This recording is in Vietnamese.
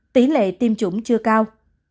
tỷ lệ tiêm chủng chưa cao